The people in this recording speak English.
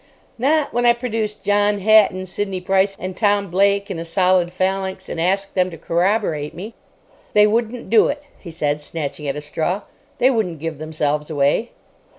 "Not when I produced John Hatton, Sidney Price, and Tom Blake in a solid phalanx, and asked them to corroborate me." "They wouldn't do it," he said, snatching at a straw. "They wouldn't give themselves away."